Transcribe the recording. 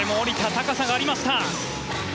高さがありました。